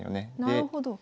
なるほど。